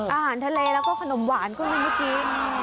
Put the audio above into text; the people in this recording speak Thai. อาหารทะเลแล้วก็ขนมหวานก็ได้เมื่อกี้